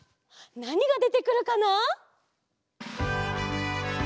なにがでてくるかな？